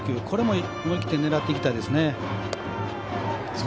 これも思い切って狙っていきたいですね。